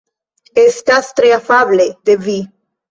Estas tre afable de vi.